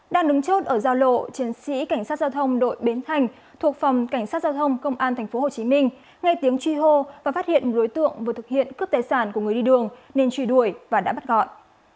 đang đứng chốt ở giao lộ chiến sĩ cảnh sát giao thông đội bến thành thuộc phòng cảnh sát giao thông công an thành phố hồ chí minh nghe tiếng truy hô và phát hiện một đối tượng vừa thực hiện cướp tài sản của người đi đường nên truy đuổi và đã bắt gọi